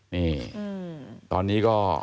นี่ตอนนี้ก็